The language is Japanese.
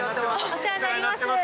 お世話になります。